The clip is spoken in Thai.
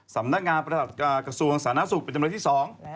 สำนักงานกระทัดกสวงสาหนะศุกร์เป็นจำนวนที่สอง